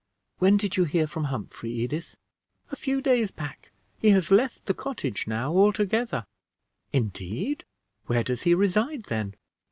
"When did you hear from Humphrey, Edith?" "A few days back. He has left the cottage now, altogether." "Indeed? Where does he reside then?"